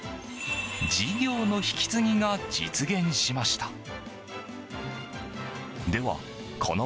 事業の引き継ぎが実現しました。